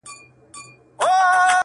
له دغي لويي وچي وځم,